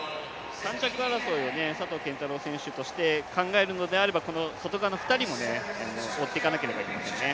３着争いを佐藤拳太郎選手として、考えるのであれば外側の２人も追っていかないといけないですね。